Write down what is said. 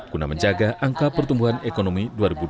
guna menjaga angka pertumbuhan ekonomi dua ribu dua puluh